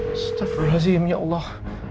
astaghfirullahaladzim ya allah